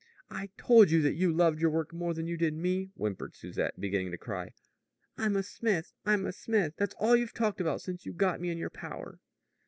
"I told you that you loved your work more than you did me," whimpered Susette, beginning to cry. "'I'm a smith; I'm a smith' that's all you've talked about since you got me in your power."